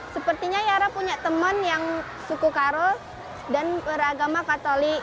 sepertinya yara punya teman yang suku karo dan beragama katolik